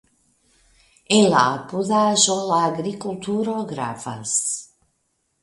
En la apudaĵo la agrikulturo gravas.